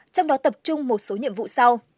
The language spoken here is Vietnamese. trong đó tập trung một số nhiệm vụ sau